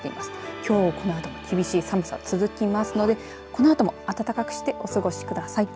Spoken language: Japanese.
きょうこのあとも厳しい寒さ続きますのでこのあとも暖かくしてお過ごしください。